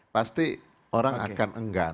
pasti orang akan enggan